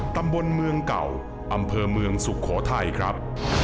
ตำบลเมืองเก่าอำเภอเมืองสุโขทัยครับ